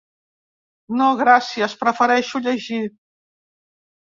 No, gràcies: prefereixo llegir.